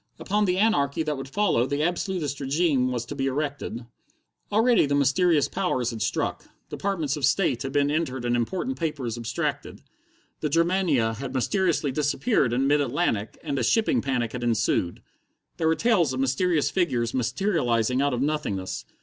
Upon the anarchy that would follow the absolutist regime was to be erected. Already the mysterious powers had struck. Departments of State had been entered and important papers abstracted. The Germania had mysteriously disappeared in mid Atlantic, and a shipping panic had ensued. There were tales of mysterious figures materializing out of nothingness.